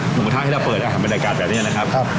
หรือถ้าให้เราเปิดอาหารบรรยากาศแบบนี้นะครับ